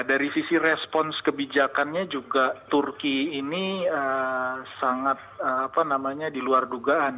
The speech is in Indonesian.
dari sisi respons kebijakannya juga turki ini sangat apa namanya diluar dugaan